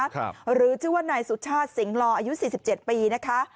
ครับหรือชื่อว่านายสุชาติสิงห์ลออายุ๔๗ปีนะคะ